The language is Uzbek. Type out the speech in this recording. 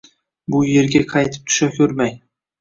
Bu yerga qaytib tusha ko‘rmang.